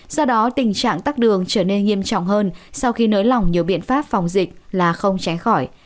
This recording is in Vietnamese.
do đó tình trạng tắt đường trở nên nghiêm trọng hơn sau khi nới lỏng nhiều biện pháp phòng dịch là không tránh khỏi